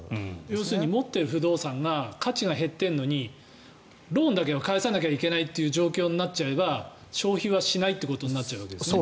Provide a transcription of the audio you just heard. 要するに持っている不動産が価値が減っているのにローンだけは返さなきゃいけない状況になっちゃえば消費はしないということになっちゃうわけですよね。